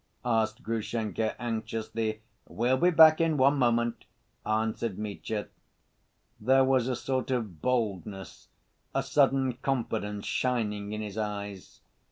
asked Grushenka, anxiously. "We'll be back in one moment," answered Mitya. There was a sort of boldness, a sudden confidence shining in his eyes.